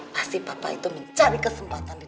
pasti papa itu mencari kesempatan